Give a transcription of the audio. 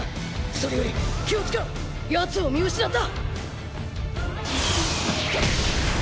それより気をつけろヤツを見失った！